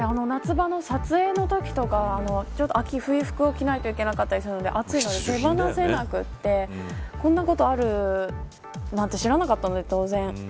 夏場の撮影のときとかはちょうど秋冬服を着なきゃいけないので暑いので手放せなくってこんなことあるなんて知らなかったので当然。